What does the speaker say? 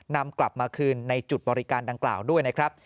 นำกลับมาคืนในจุดบริการดังกล่าวด้วยนะครับ